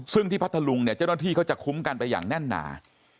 ซึ่งที่พัทธลุงเนี่ยเจ้าหน้าที่เขาจะคุ้มกันไปอย่างแน่นหนา